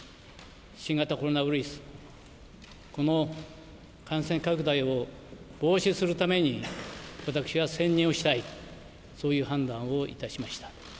新型コロナウイルス、この感染拡大を防止するために、私は専任をしたい、そういう判断をいたしました。